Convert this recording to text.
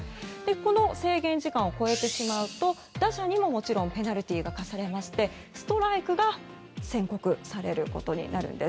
この制限時間を超えてしまうと打者にもペナルティーが科されまして、ストライクが宣告されることになるんです。